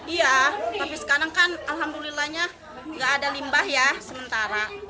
iya tapi sekarang kan alhamdulillahnya nggak ada limbah ya sementara